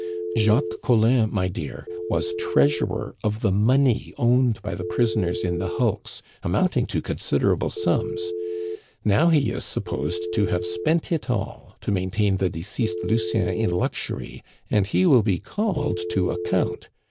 "Jacques Collin, my dear, was treasurer of the money owned by the prisoners in the hulks, amounting to considerable sums; now, he is supposed to have spent it all to maintain the deceased Lucien in luxury, and he will be called to account.